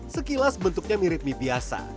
sekilas bentuknya mirip mie biasa